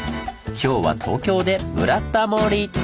今日は東京で「ブラタモリ」！